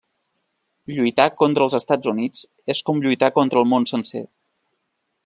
Lluitar contra els Estats Units és com lluitar contra el món sencer.